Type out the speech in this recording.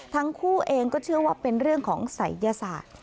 ทั้งคู่เองก็เชื่อว่าเป็นเรื่องของศัยยศาสตร์